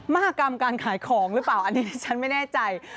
มหากรรมการขายของหรือเปล่าอันนี้ฉันไม่แน่ใจ